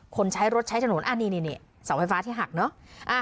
คนใช้รถใช้ถนนอ่ะนี่สว่างไฟฟ้าที่หักเนอะ